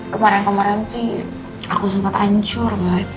kemarin kemarin sih aku sempat hancur banget